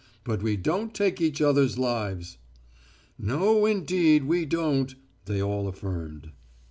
But we don't take each other's lives." "No, indeed we don't," they all affirmed.